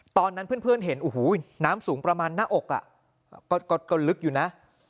ตอนนั้นเพื่อนเห็นโอ้โหน้ำสูงประมาณหน้าอกก็ลึกอยู่นะ